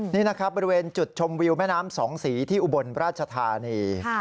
นี่นะครับบริเวณจุดชมวิวแม่น้ำสองสีที่อุบลราชธานี